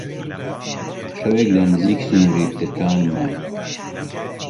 شەوێک لە نزیک سنووری ترکان ماین